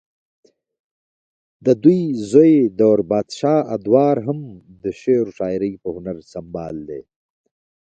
ددوي زوے دور بادشاه ادوار هم د شعرو شاعرۍ پۀ هنر سنبال دے